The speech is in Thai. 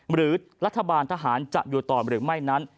หรือรัฐบาลทหารจะอยู่ต่อหรือไม่นั้น